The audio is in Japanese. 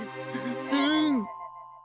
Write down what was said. うん！